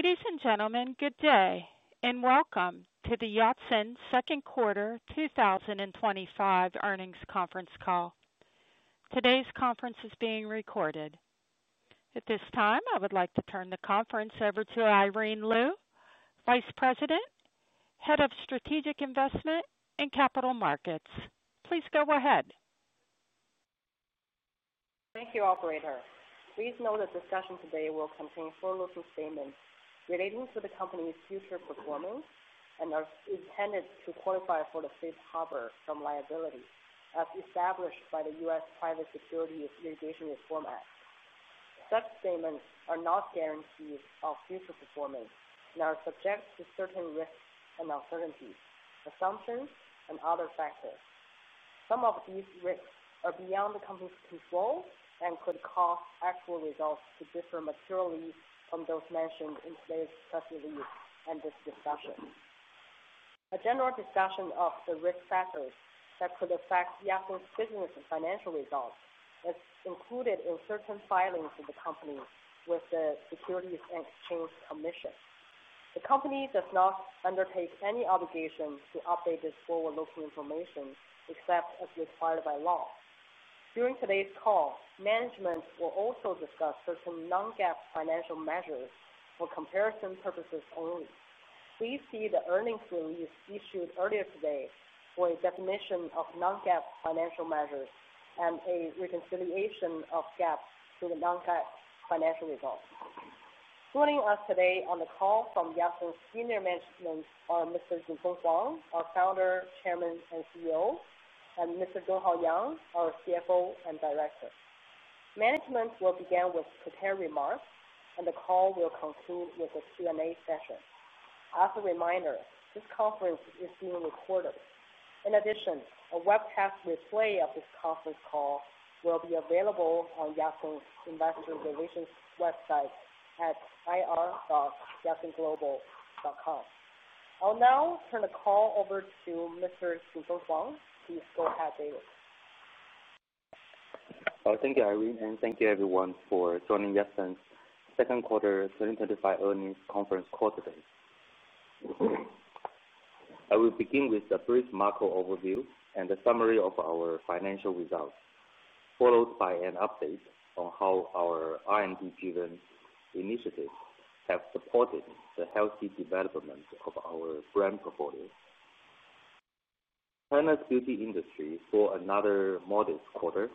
Ladies and gentlemen, good day and welcome to the Yatsen's Second Quarter 2025 Earnings Conference Call. Today's conference is being recorded. At this time, I would like to turn the conference over to Irene Lyu, Vice President, Head of Strategic Investment and Capital Markets. Please go ahead. Thank you, Operator. Please note that the discussion today will contain forward-looking statements relating to the company's future performance and our intent to qualify for the safe harbor from liability as established by the U.S. Private Securities Litigation Reform Act. Such statements are not guarantees of future performance and are subject to certain risks and uncertainties, assumptions, and other factors. Some of these risks are beyond the company's control and could cause actual results to differ materially from those mentioned in today's summary and this discussion. A general discussion of the risk factors that could affect Yatsen's business and financial results is included in certain filings of the company with the Securities and Exchange Commission. The company does not undertake any obligation to update this forward-looking information except as required by law. During today's call, management will also discuss certain non-GAAP financial measures for comparison purposes only. Please see the earnings release issued earlier today for a definition of non-GAAP financial measures and a reconciliation of GAAP to the non-GAAP financial results. Joining us today on the call from Yatsen's senior management are Mr. Jinfeng Huang, our Founder, Chairman, and CEO, and Mr. Donghao Yang, our CFO and Director. Management will begin with prepared remarks, and the call will conclude with a Q&A session. As a reminder, this conference is being recorded. In addition, a webcast replay of this conference call will be available on Yatsen's Investor Relations website at ir.yatsenglobal.com. I'll now turn the call over to Mr. Jinfeng Huang. Please go ahead, Jinfeng. Thank you, Irene, and thank you, everyone, for joining Yatsen's Second Quarter 2025 Earnings Conference Call today. I will begin with a brief market overview and a summary of our financial results, followed by an update on how our R&D driven initiatives have supported the healthy development of our brand portfolio. China's beauty industry saw another modest quarter.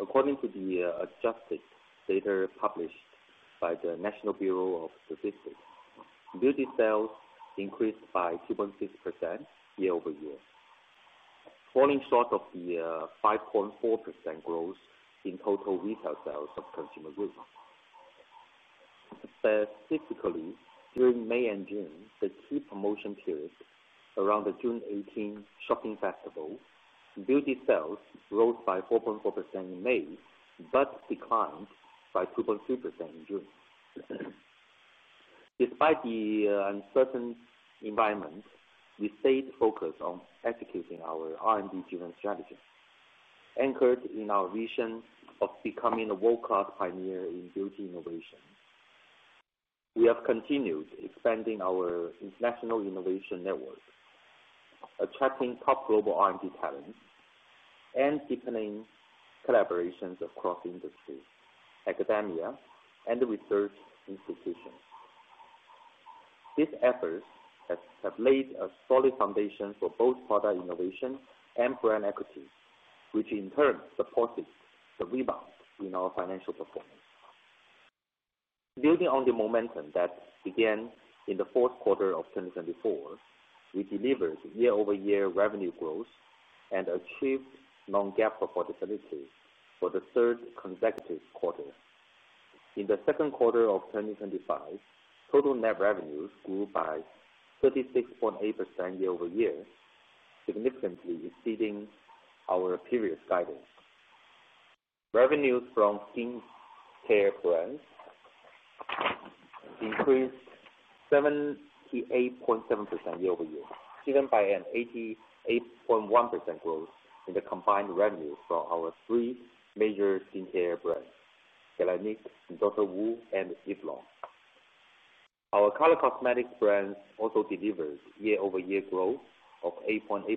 According to the adjusted data published by the National Bureau of Logistics, beauty sales increased by 2.6% year-over-year, falling short of the 5.4% growth in total retail sales of consumer goods. Statistically, during May and June, the key promotion periods around the June 18th shopping festival, beauty sales rose by 4.4% in May but declined by 2.3% in June. Despite the uncertain environment, we stayed focused on executing our R&D driven strategy, anchored in our vision of becoming a world-class pioneer in beauty innovation. We have continued expanding our international innovation network, attracting top global R&D talent, and deepening collaborations across industries, academia, and research institutions. These efforts have laid a solid foundation for both product innovation and brand equity, which in turn supported the rebound in our financial performance. Building on the momentum that began in the fourth quarter of 2024, we delivered year-over-year revenue growth and achieved non-GAAP performance for the third consecutive quarter. In the second quarter of 2025, total net revenues grew by 36.8% year-over-year, significantly exceeding our previous guidance. Revenues from skincare brands increased 78.7% year-over-year, driven by an 88.1% growth in the combined revenue for our three major skincare brands: Galénic, DR.WU, and Eve Lom. Our color cosmetics brands also delivered year-over-year growth of 8.8%,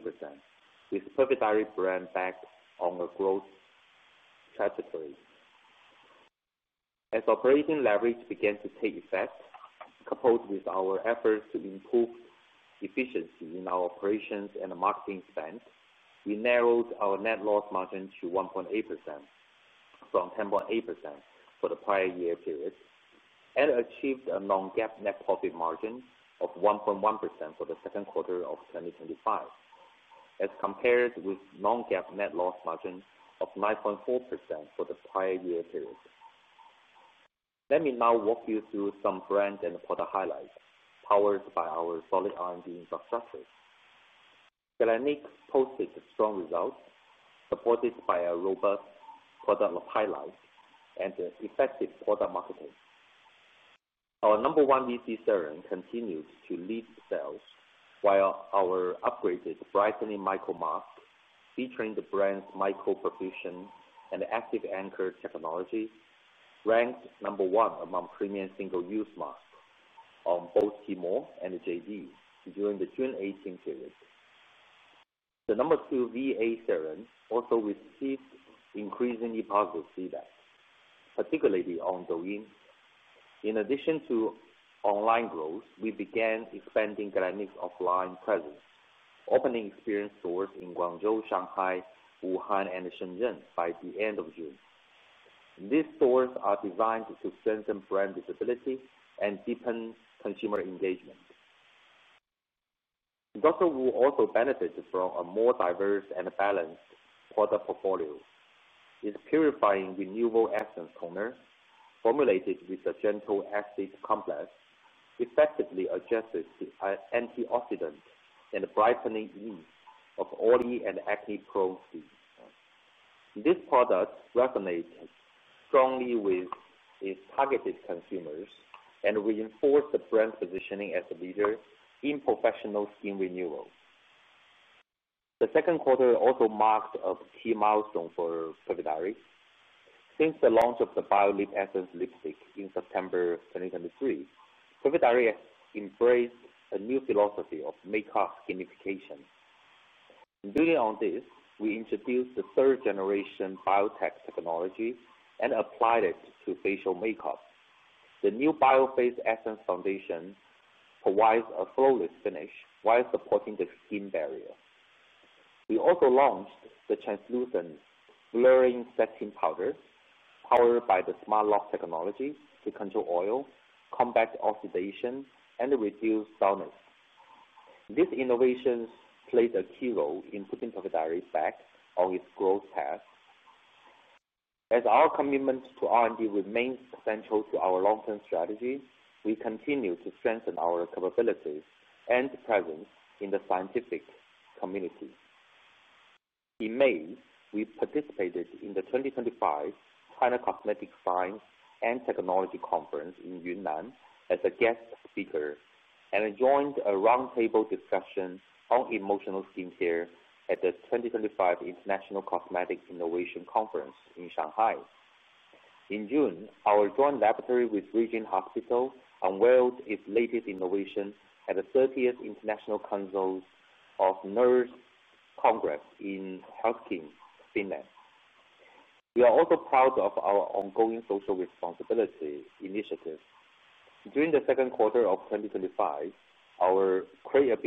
with the Perfect Diary brand back on a growth trajectory. As operating leverage began to take effect, coupled with our efforts to improve efficiency in our operations and the marketing spend, we narrowed our net loss margin to 1.8% from 10.8% for the prior year period and achieved a non-GAAP net profit margin of 1.1% for the second quarter of 2025, as compared with non-GAAP net loss margin of 9.4% for the prior year period. Let me now walk you through some brand and product highlights powered by our solid R&D successes. Galénic posted strong results, supported by a robust product pipeline and effective product marketing. Our number one VC serum continued to lead sales, while our upgraded brightening micro mask, featuring the brand's microperfusion and active anchor technology, ranked number one among premium single-use masks on both Tmall and JD during the June 18th period. The number two VA serum also received increasingly positive feedback, particularly on Douyin. In addition to online growth, we began expanding Galénic's offline presence, opening experience stores in Guangzhou, Shanghai, Wuhan, and Shenzhen by the end of June. These stores are designed to strengthen brand visibility and deepen consumer engagement. DR.WU also benefited from a more diverse and balanced product portfolio. His Purifying Renewal Essence Toner, formulated with a gentle acidic complex, effectively adjusted the antioxidant and brightening index of oily and acne-prone skin. This product resonated strongly with its targeted consumers and reinforced the brand's positioning as a leader in professional skin renewal. The second quarter also marked a key milestone for Perfect Diary. Since the launch of the Biolip Essence Lipstick in September 2023, Perfect Diary has embraced a new philosophy of makeup skinification. Building on this, we introduced the 3rd-generation biotech technology and applied it to facial makeup. The new Bio-Phase Essence Foundation provides a flawless finish while supporting the skin barrier. We also launched the translucent blurring setting powder, powered by the Smart Lock technology, to control oil, combat oxidation, and reduce dullness. These innovations played a key role in putting Perfect Diary back on its growth path. As our commitment to R&D remains essential to our long-term strategy, we continue to strengthen our capabilities and presence in the scientific community. In May, we participated in the 2025 China Cosmetic Science and Technology Conference in Yunnan as a guest speaker and joined a roundtable discussion on emotional skincare at the 2025 International Cosmetic Innovation Conference in Shanghai. In June, our joint laboratory with ReGen Hospital unveiled its latest innovation at the 30th International Council of Nurses Congress in Helsinki, Finland. We are also proud of our ongoing social responsibility initiative. During the second quarter of 2025, our Create a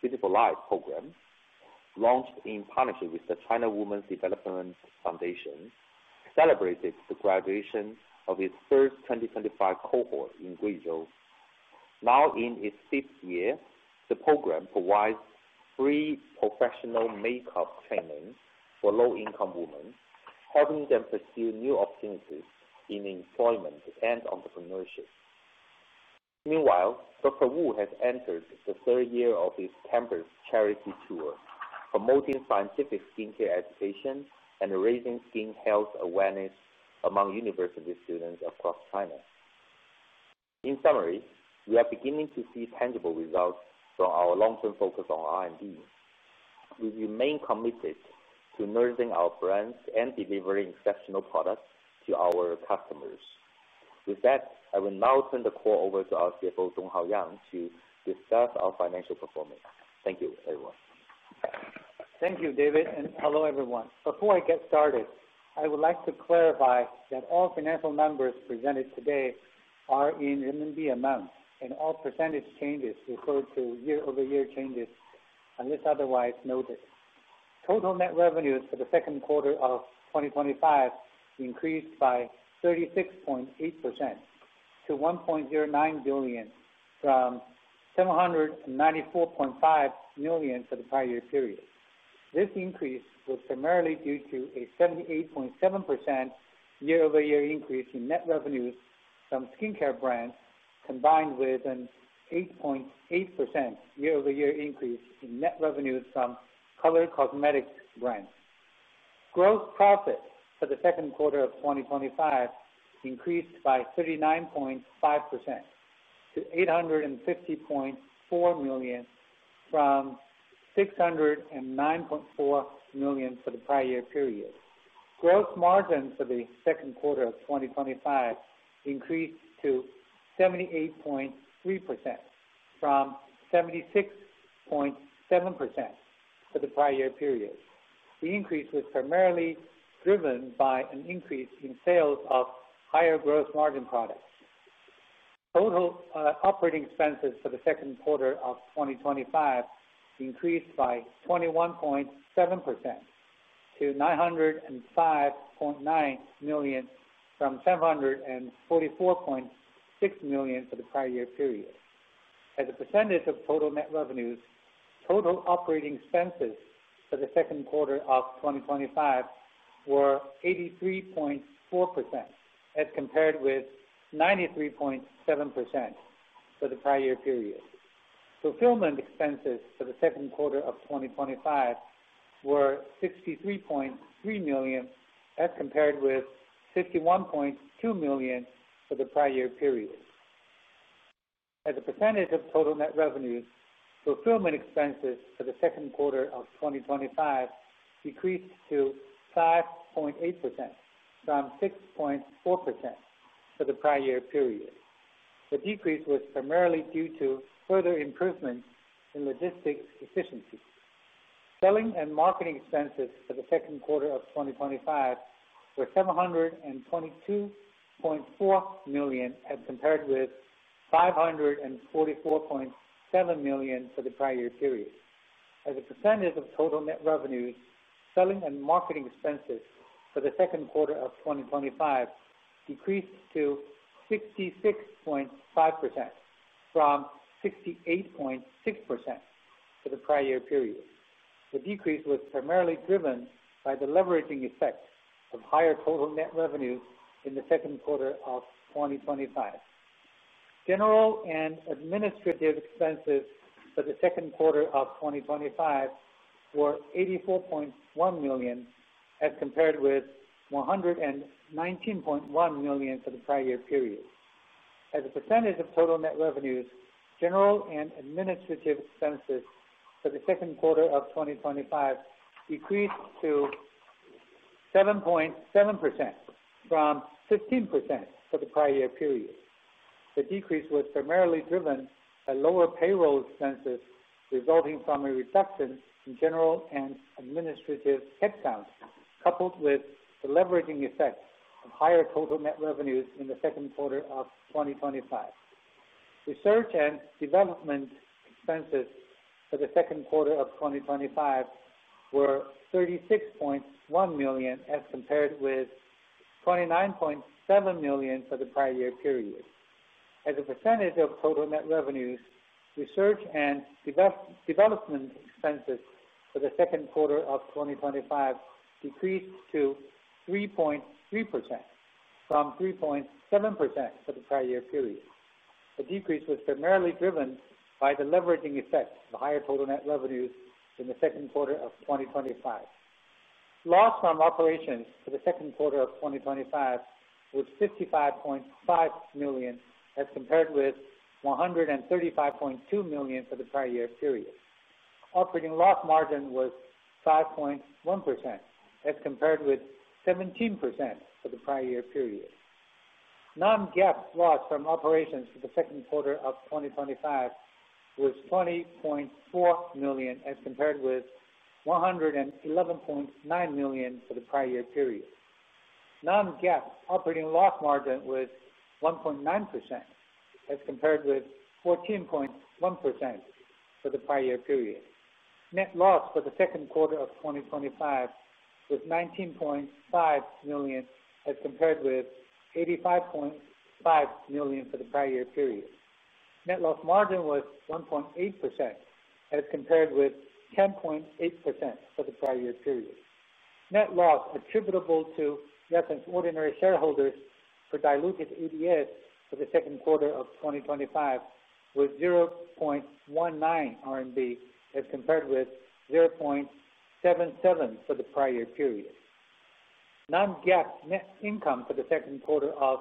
Beautiful Life program, launched in partnership with the China Women’s Development Foundation, celebrated the graduation of its first 2025 cohort in Guizhou. Now in its fifth year, the program provides free professional makeup training for low-income women, helping them pursue new opportunities in employment and entrepreneurship. Meanwhile, DR.WU has entered the third year of his [campus] charity tour, promoting scientific skincare education and raising skin health awareness among university students across China. In summary, we are beginning to see tangible results from our long-term focus on R&D. We remain committed to nurturing our brands and delivering exceptional products to our customers. With that, I will now turn the call over to our CFO, Donghao Yang, to discuss our financial performance. Thank you, everyone. Thank you, David, and hello, everyone. Before I get started, I would like to clarify that all financial numbers presented today are in renminbi amounts and all percentage changes refer to year-over-year changes unless otherwise noted. Total net revenue for the second quarter of 2025 increased by 36.8% to 1.09 billion from 794.5 million for the prior year period. This increase was primarily due to a 78.7% year-over-year increase in net revenue from skincare brands, combined with an 8.8% year-over-year increase in net revenue from color cosmetics brands. Gross profit for the second quarter of 2025 increased by 39.5% to 850.4 million from 609.4 million for the prior year period. Gross margin for the second quarter of 2025 increased to 78.3% from 76.7% for the prior year period. The increase was primarily driven by an increase in sales of higher gross margin products. Total operating expenses for the second quarter of 2025 increased by 21.7% to 905.9 million from 744.6 million for the prior year period. As a percentage of total net revenues, total operating expenses for the second quarter of 2025 were 83.4% as compared with 93.7% for the prior year period. Fulfillment expenses for the second quarter of 2025 were 63.3 million as compared with 51.2 million for the prior year period. As a percentage of total net revenue, fulfillment expenses for the second quarter of 2025 decreased to 5.8% from 6.4% for the prior year period. The decrease was primarily due to further improvements in logistics efficiency. Selling and marketing expenses for the second quarter of 2025 were 722.4 million as compared with 544.7 million for the prior year period. As a percentage of total net revenue, selling and marketing expenses for the second quarter of 2025 decreased to 66.5% from 68.6% for the prior year period. The decrease was primarily driven by the leveraging effect of higher total net revenue in the second quarter of 2025. General and administrative expenses for the second quarter of 2025 were 84.1 million as compared with 119.1 million for the prior year period. As a percentage of total net revenues, general and administrative expenses for the second quarter of 2025 decreased to 7.7% from 15% for the prior year period. The decrease was primarily driven by lower payroll expenses resulting from a reduction in general and administrative headcount, coupled with the leveraging effects of higher total net revenues in the second quarter of 2025. Research and development expenses for the second quarter of 2025 were 36.1 million as compared with 29.7 million for the prior year period. As a percentage of total net revenues, research and development expenses for the second quarter of 2025 decreased to 3.3% from 3.7% for the prior year period. The decrease was primarily driven by the leveraging effects of higher total net revenues in the second quarter of 2025. Loss from operations for the second quarter of 2025 was 55.5 million as compared with 135.2 million for the prior year period. Operating loss margin was 5.1% as compared with 17% for the prior year period. Non-GAAP loss from operations for the second quarter of 2025 was 20.4 million as compared with 111.9 million for the prior year period. Non-GAAP operating loss margin was 1.9% as compared with 14.1% for the prior year period. Net loss for the second quarter of 2025 was 19.5 million as compared with 85.5 million for the prior year period. Net loss margin was 1.8% as compared with 10.8% for the prior year period. Net loss attributable to Yatsen's ordinary shareholders for diluted EPS for the second quarter of 2025 was 0.19 RMB as compared with 0.77 for the prior year period. Non-GAAP net income for the second quarter of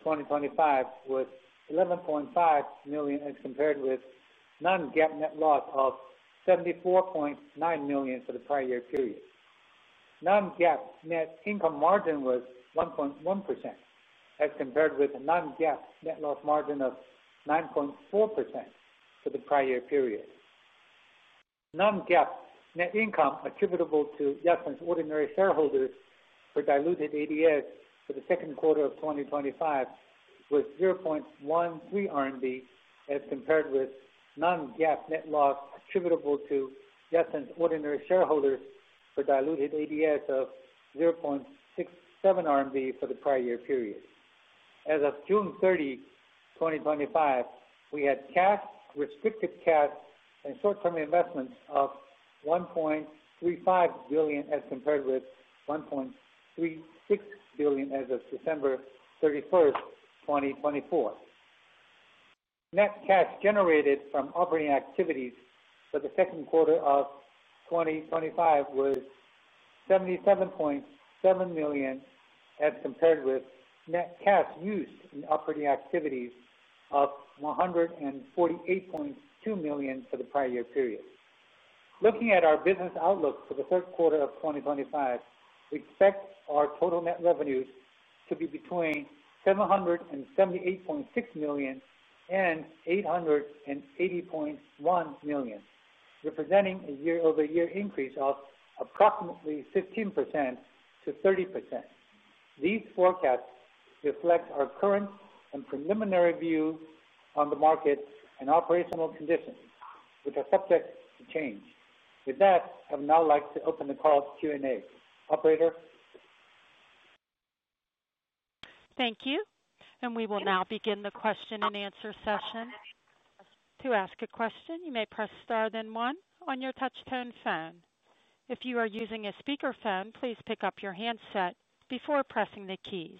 2025 was 11.5 million as compared with non-GAAP net loss of 74.9 million for the prior year period. Non-GAAP net income margin was 1.1% as compared with a non-GAAP net loss margin of 9.4% for the prior year period. Non-GAAP net income attributable to Yatsen's ordinary shareholders for diluted EPS for the second quarter of 2025 was 0.13 RMB as compared with non-GAAP net loss attributable to Yatsen's ordinary shareholders for diluted EPS of 0.67 RMB for the prior year period. As of June 30, 2025, we had cash, restricted cash, and short-term investments of 1.35 billion as compared with 1.36 billion as of December 31st, 2024. Net cash generated from operating activities for the second quarter of 2025 was 77.7 million as compared with net cash used in operating activities of 148.2 million for the prior year period. Looking at our business outlook for the third quarter of 2025, we expect our total net revenues to be between 778.6 million-880.1 million, representing a year-over-year increase of approximately 15%-30%. These forecasts reflect our current and preliminary view on the market and operational conditions, which are subject to change. With that, I would now like to open the call for Q&A. Operator? Thank you. We will now begin the question-and-answer session. To ask a question, you may press star, then one on your touch-tone phone. If you are using a speaker phone, please pick up your handset before pressing the keys.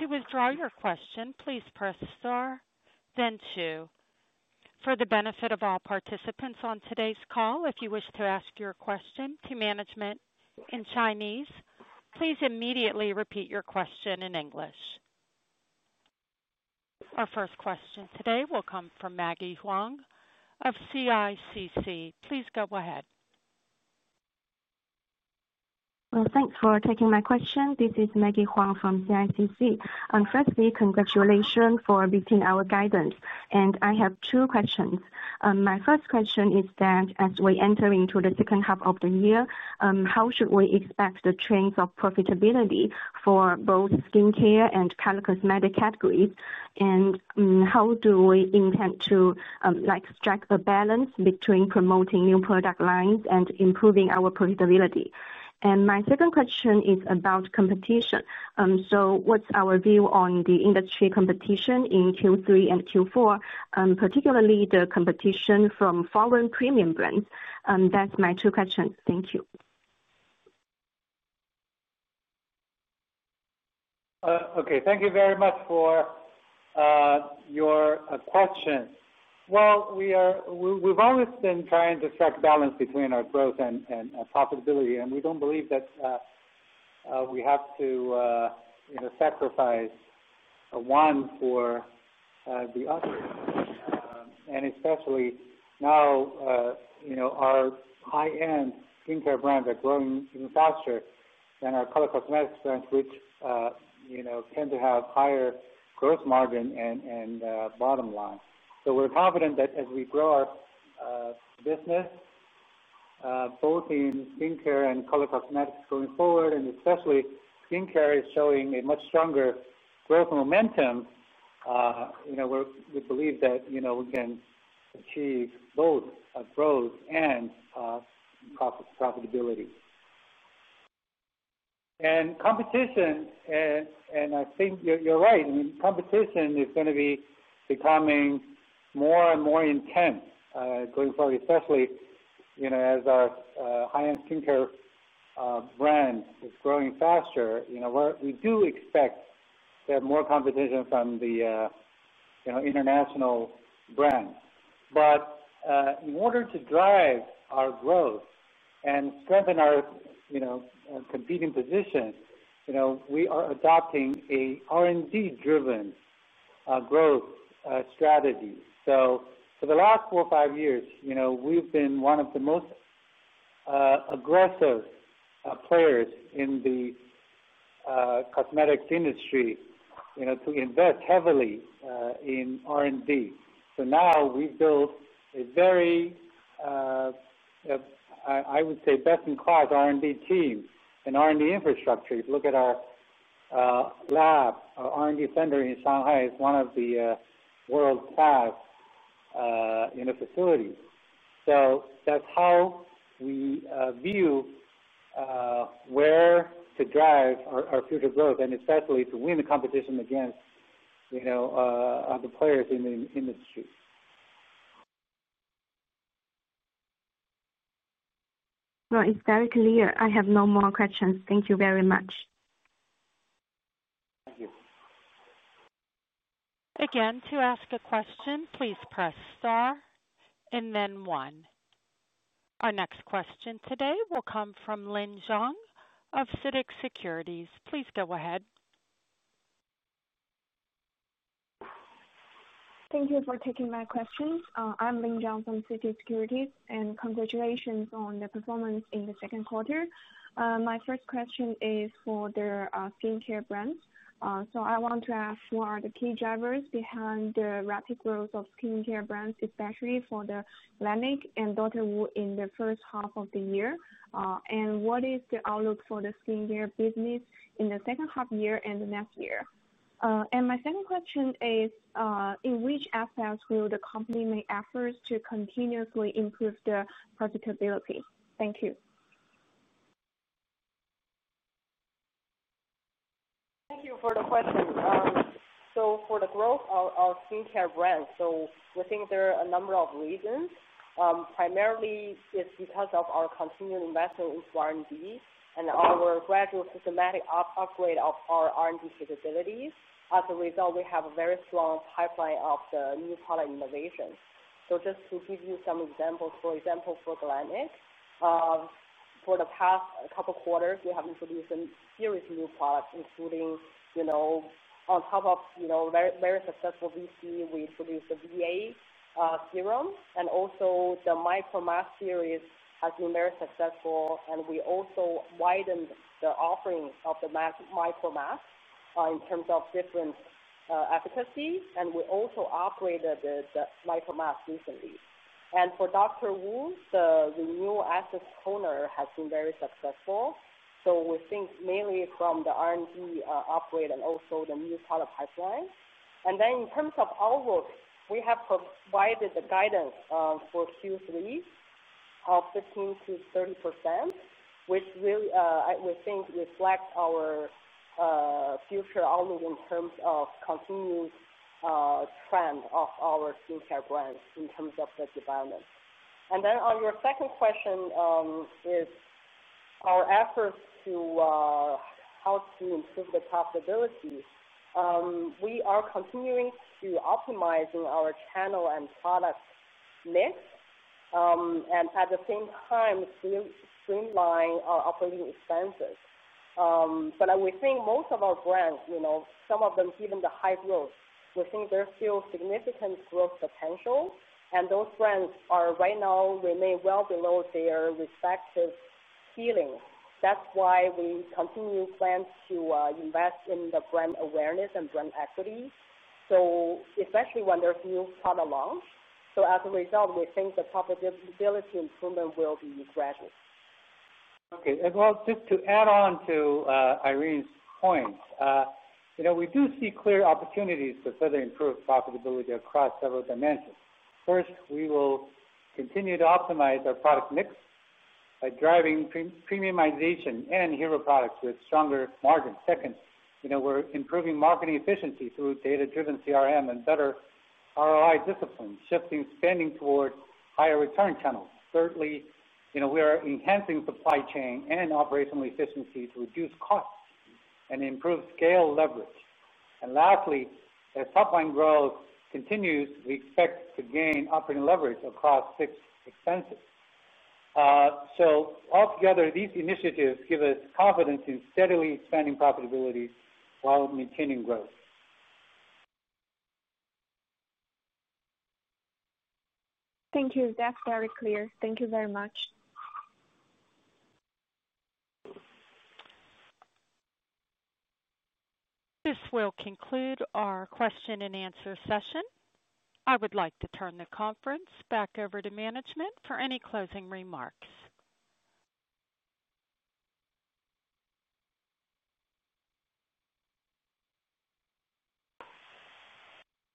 To withdraw your question, please press star, then two. For the benefit of all participants on today's call, if you wish to ask your question to management in Chinese, please immediately repeat your question in English. Our first question today will come from Maggie Huang of CICC. Please go ahead. Thank you for taking my question. This is Maggie Huang from CICC. Firstly, congratulations for meeting our guidance. I have two questions. My first question is that as we enter into the second half of the year, how should we expect the trends of profitability for both skincare and color cosmetics categories? How do we intend to strike a balance between promoting new product lines and improving our profitability? My second question is about competition. What's our view on the industry competition in Q3 and Q4, particularly the competition from foreign premium brands? Those are my two questions. Thank you. Thank you very much for your question. We've always been trying to strike a balance between our growth and profitability. We don't believe that we have to sacrifice one for the other, especially now. Our high-end skincare brands are growing even faster than our color cosmetics brands, which tend to have higher gross margin and bottom line. We're confident that as we grow our business, both in skincare and color cosmetics going forward, especially skincare is showing a much stronger growth momentum. We believe that we can achieve both growth and profitability. Competition, and I think you're right, competition is going to be becoming more and more intense going forward, especially as our high-end skincare brand is growing faster. We do expect to have more competition from the international brands. In order to drive our growth and strengthen our competing position, we are adopting an R&D-driven growth strategy. For the last four or five years, we've been one of the most aggressive players in the cosmetic industry to invest heavily in R&D. Now we've built a very, I would say, best-in-class R&D team and R&D infrastructure. If you look at our lab, our R&D center in Shanghai is one of the world-class facilities. That's how we view where to drive our future growth, especially to win the competition against other players in the industry. It is very clear. I have no more questions. Thank you very much. Again, to ask a question, please press star and then one. Our next question today will come from Lin Zhang of CITIC Securities. Please go ahead. Thank you for taking my questions. I'm Lin Zhang from CITIC Securities, and congratulations on the performance in the second quarter. My first question is for the skincare brands. I want to ask, what are the key drivers behind the rapid growth of skincare brands, especially for the Galénic and DR.WU in the first half of the year? What is the outlook for the skincare business in the second half of the year and the next year? My second question is, in which aspects will the company make efforts to continuously improve the profitability? Thank you. Thank you for the question. For the growth of our skincare brands, we think there are a number of reasons. Primarily, it's because of our continued investment into R&D and our gradual systematic upgrade of our R&D capabilities. As a result, we have a very strong pipeline of new product innovation. Just to give you some examples, for Galénic, for the past couple of quarters, we have introduced a series of new products, including, on top of very successful VC, we introduced the VA serum and also the micro mask series has been very successful. We also widened the offerings of the micro mask in terms of different efficacy, and we also upgraded the micro mask recently. For DR.WU, the Renewal Essence Toner has been very successful. We think mainly from the R&D upgrade and also the new product pipeline. In terms of outlook, we have provided the guidance for Q3 of 15%-30%, which really, we think, reflects our future outlook in terms of continuing the trend of our skincare brands in terms of the development. On your second question, our efforts to improve the profitability, we are continuing to optimize our channel and product mix, and at the same time, we streamline our operating expenses. We think most of our brands, some of them given the high growth, we think there's still significant growth potential. Those brands are right now, remain well below their respective ceiling. That's why we continue planning to invest in the brand awareness and brand equity, especially when there's new product launch. As a result, we think the profitability improvement will be graded. Okay. Just to add on to Irene's point, you know, we do see clear opportunities to further improve profitability across several dimensions. First, we will continue to optimize our product mix by driving premiumization and hero products with stronger margins. Second, you know, we're improving marketing efficiency through data-driven CRM and better ROI discipline, shifting spending toward higher return channels. Thirdly, you know, we are enhancing supply chain and operational efficiency to reduce costs and improve scale leverage. Lastly, as pipeline growth continues, we expect to gain operating leverage across fixed expenses. Altogether, these initiatives give us confidence in steadily expanding profitability while maintaining growth. Thank you. That's very clear. Thank you very much. This will conclude our question-and-answer session. I would like to turn the conference back over to management for any closing remarks.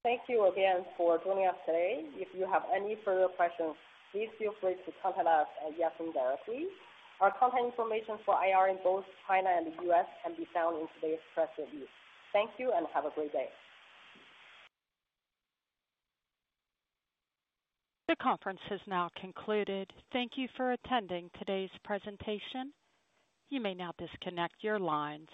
Thank you again for joining us today. If you have any further questions, please feel free to contact us at Yatsen directly. Our contact information for IR in both China and the U.S. can be found in today's press review. Thank you and have a great day. The conference has now concluded. Thank you for attending today's presentation. You may now disconnect your lines.